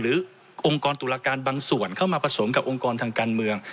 องค์กรตุลาการบางส่วนเข้ามาผสมกับองค์กรทางการเมือง